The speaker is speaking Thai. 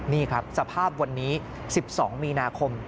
นี่ครับสภาพวันนี้๑๒มีนาคม